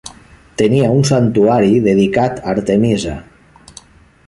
Tenia un santuari dedicat a Artemisa.